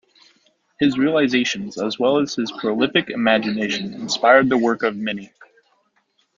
His realizations as well as his prolific imagination inspired the work of many.